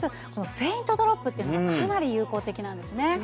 フェイントドロップというのがかなり有効的なんですね。